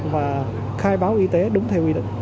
và khai báo y tế đúng theo quy định